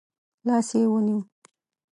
لاس يې ونیو.